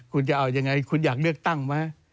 คุณจะเอายังไงคุณอยากเลือกตั้งไหม